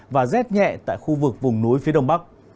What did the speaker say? và rét nhẹ tại khu vực vùng núi phía đông bắc